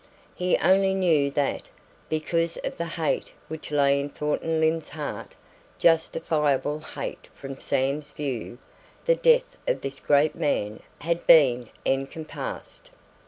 He only knew that, because of the hate which lay in Thornton Lyne's heart, justifiable hate from Sam's view, the death of this great man had been encompassed.